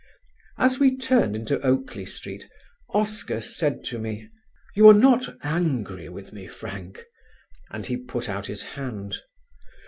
As we turned into Oakley Street, Oscar said to me: "You are not angry with me, Frank?" and he put out his hand.